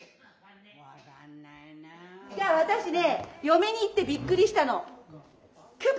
私ね嫁に行ってびっくりしたの。